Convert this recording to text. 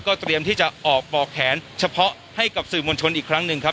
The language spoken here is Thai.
เตรียมที่จะออกบอกแขนเฉพาะให้กับสื่อมวลชนอีกครั้งหนึ่งครับ